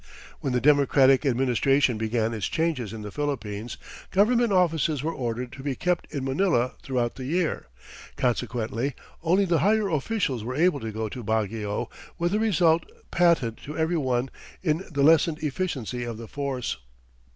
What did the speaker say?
When the Democratic Administration began its changes in the Philippines, government offices were ordered to be kept in Manila throughout the year, consequently only the higher officials were able to go to Baguio, with a result patent to every one in the lessened efficiency of the force.